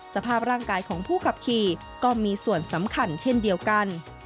สภาพร่างกายของผู้ขับขี่ก็มีส่วนสำคัญเช่นเดียวกัน